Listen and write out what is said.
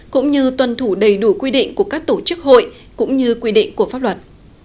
cũng như tuân thủ đầy đủ quy định của các tổ chức hội cũng như quy định của pháp luật